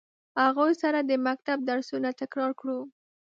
هغوی سره د مکتب درسونه تکرار کړو.